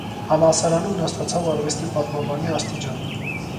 Համալսարանում նա ստացավ արվեստի պատմաբանի աստիճան։